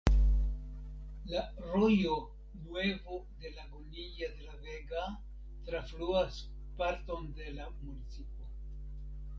La rojo "Nuevo de Lagunilla de la Vega" trafluas parton de la municipo.